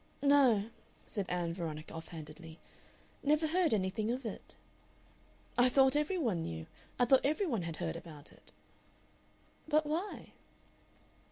"No," said Ann Veronica, offhandedly. "Never heard anything of it." "I thought every one knew. I thought every one had heard about it." "But why?"